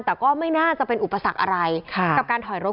แต่ก็ไม่น่าจะเป็นอุปสรรคอะไรกับการถอยรถ